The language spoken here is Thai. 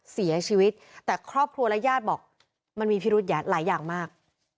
เสียชีวิตแต่ครอบครัวและญาติบอกมันมีพิรุธหลายอย่างมาก